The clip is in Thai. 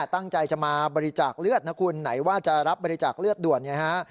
ตั้งใจจะมาบริจาคเลือดนะคุณไหนว่าจะรับบริจาคเลือดด่วนเนี่ยฮะ